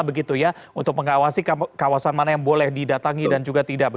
begitu ya untuk mengawasi kawasan mana yang boleh didatangi dan juga tidak